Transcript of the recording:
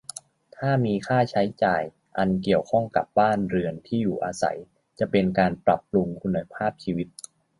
ถ้ามีค่าใช้จ่ายอันเกี่ยวข้องกับบ้านเรือน ที่อยู่อาศัย จะเป็นการปรับปรุงคุณภาพชีวิต